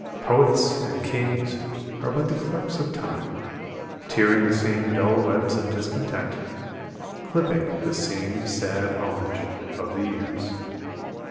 Poets and kings are but the clerks of Time, Tiering the same dull webs of discontent, Clipping the same sad alnage of the years.